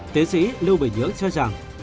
tiến sĩ lưu bình nhưỡng cho rằng